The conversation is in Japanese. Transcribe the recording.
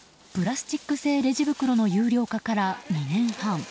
プラスチック製レジ袋の有料化から２年半。